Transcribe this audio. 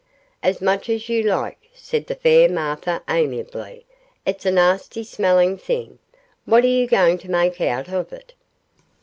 'As much as you like,' said the fair Martha, amiably; 'it's a nasty smelling thing. What are you going to make out of it?